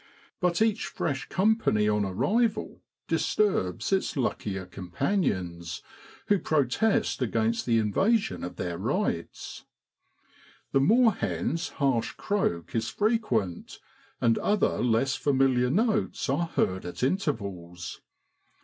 But each fresh company on arrival disturbs its luckier companions, who protest against the invasion of their rights. The moorhen's harsh croak is frequent, and other less familiar notes are heard at intervals.